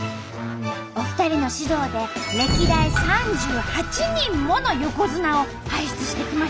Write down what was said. お二人の指導で歴代３８人もの横綱を輩出してきました。